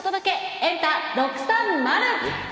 エンタ６３０。